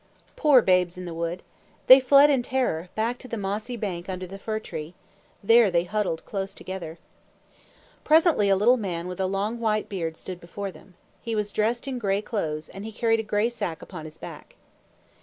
Poor Babes in the Wood! They fled in terror, back to the mossy bank under the fir tree. There they huddled close together. Presently a little man with a long white beard stood before them. He was dressed in gray clothes, and he carried a gray sack upon his back.